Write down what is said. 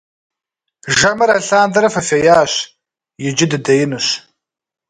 Жэмыр алъандэрэ фыфеящ, иджы дыдеинущ.